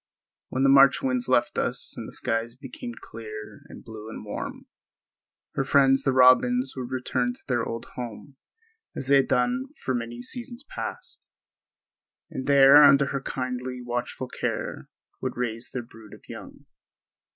When the March winds left us and the skies became clear and blue and warm, her friends the robins would return to their old home as they had done for many seasons past, and there under her kindly, watchful care would raise their brood of young.